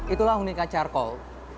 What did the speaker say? itulah unika charcoal